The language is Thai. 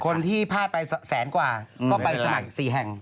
คนที่พลาดไปแสนกว่าก็ไปสมัครอีก๔แห่ง